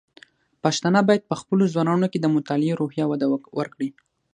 پښتانه بايد په خپلو ځوانانو کې د مطالعې روحيه وده ورکړي.